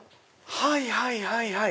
はいはいはいはい！